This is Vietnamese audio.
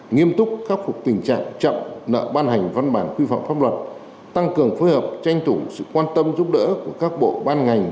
nghiêm túc khắc phục tình trạng chậm nợ ban hành văn bản quy phạm pháp luật tăng cường phối hợp tranh thủ sự quan tâm giúp đỡ của các bộ ban ngành